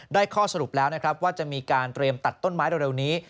ข้อสรุปแล้วนะครับว่าจะมีการเตรียมตัดต้นไม้เร็วนี้